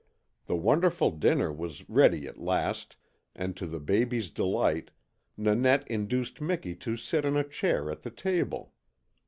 The wonderful dinner was ready at last, and to the baby's delight Nanette induced Miki to sit on a chair at the table.